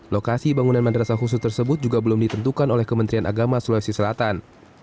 lokasi bangunan madrasah khusus tersebut juga belum ditentukan oleh kementerian agama sulawesi selatan